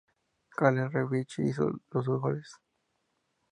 Carla Rebecchi hizo los dos goles.